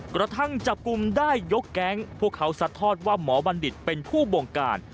กระทั่งจับกลุ่มได้ยกแก๊งพวกเขาสัดทอดว่าหมอบัณฑิตเป็นผู้บงการ